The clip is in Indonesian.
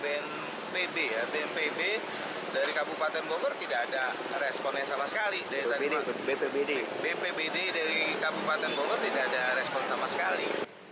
bpbd dari kabupaten bogor tidak ada respon yang sama sekali